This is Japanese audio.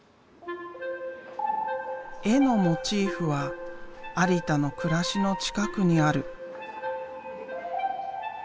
絵のモチーフは有田の暮らしの近くにある。